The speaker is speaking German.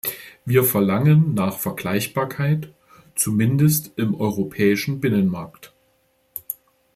Wir verlangen nach Vergleichbarkeit, zumindest im europäischen Binnenmarkt.